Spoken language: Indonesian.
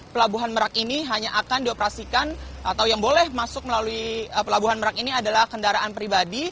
pelabuhan merak ini hanya akan dioperasikan atau yang boleh masuk melalui pelabuhan merak ini adalah kendaraan pribadi